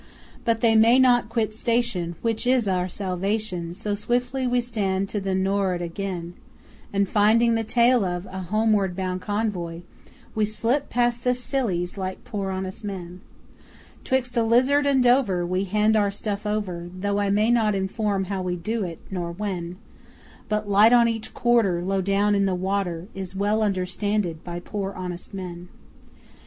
But they may not quit station (Which is our salvation), So swiftly we stand to the Nor'ard again; And finding the tail of A homeward bound convoy, We slip past the Scillies like poor honest men. 'Twix' the Lizard and Dover, We hand our stuff over, Though I may not inform how we do it, nor when; But a light on each quarter Low down on the water Is well understanded by poor honest men.